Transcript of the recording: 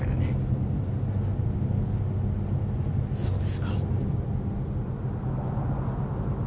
そうですか。